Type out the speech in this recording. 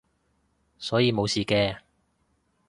所以冇事嘅